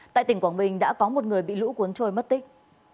tại tỉnh quảng bình đã có một người bị lũ cuốn trôi mất tích